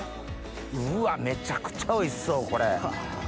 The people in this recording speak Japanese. うわめちゃくちゃおいしそうこれ。